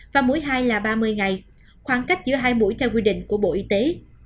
và mỗi hai là ba mươi ngày khoảng cách giữa hai mũi theo quy định của bộ y tế